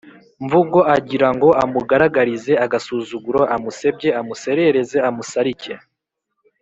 mvugo, agira ngo amugaragarize agasuzuguro, amusebye, amusesereze, amusarike,